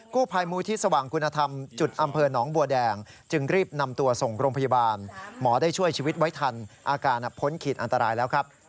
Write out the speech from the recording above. กู้ภัยมูลที่สว่างคุณธรรมจุดอำเภอหนองบัวแดงจึงรีบนำตัวส่งโรงพยาบาลหมอได้ช่วยชีวิตไว้ทันอาการพ้นขีดอันตรายแล้วครับ